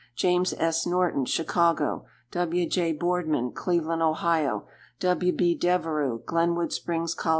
James S. Norton, Chicago. W. J. Boardman, Cleveland, O. W. B. Devereux, Glenwood Springs, Col.